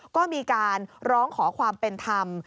ก็มีการร้องขอความเป็นธรรม